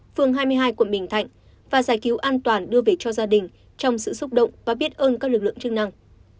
phường hai mươi hai quận bình thạnh và giải cứu an toàn đưa về cho gia đình trong sự xúc động và biết ơn các lực lượng chức năng